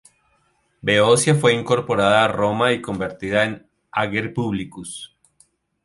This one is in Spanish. Beocia fue incorporada a Roma y convertida en "ager publicus".